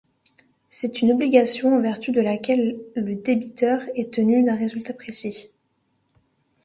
C'est une obligation en vertu de laquelle le débiteur est tenu d'un résultat précis.